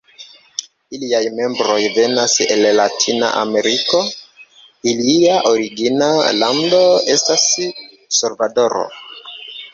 Iliaj membroj venas el latina ameriko, ilia originala lando estas Salvadoro.